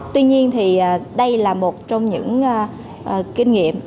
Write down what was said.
tuy nhiên thì đây là một trong những kinh nghiệm